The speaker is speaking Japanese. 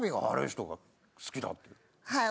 はい。